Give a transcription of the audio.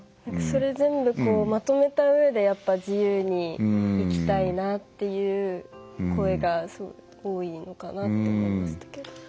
それ全部まとめた上でやっぱ自由に生きたいなっていう声が多いのかなって思いました。